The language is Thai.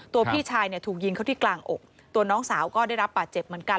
พี่ชายเนี่ยถูกยิงเข้าที่กลางอกตัวน้องสาวก็ได้รับบาดเจ็บเหมือนกัน